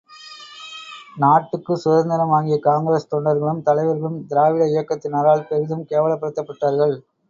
நாட்டுக்குச் சுதந்திரம் வாங்கிய காங்கிரஸ் தொண்டர்களும் தலைவர்களும் திராவிட இயக்கத்தினரால் பெரிதும் கேவலப்படுத்தப்பட்டார்கள்.